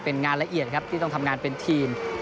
เป็นงานละเอียดครับที่ต้องทำงานเป็นทีม